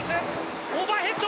オーバーヘッド！